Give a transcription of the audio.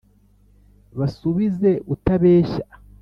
Basubize utabeshya!